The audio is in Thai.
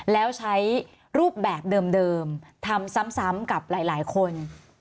แล้วใช้รูปแบบเดิมทำซ้ำกับหลายคน